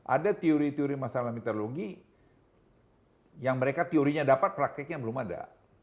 ada teori teori masalah meteorologi yang mereka teorinya dapat prakteknya belum ada